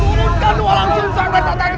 orang lain bahkan perceptory lebih kerap